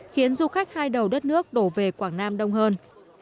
khiến du khách hai đầu đất nước đổ về quảng nam đông hơn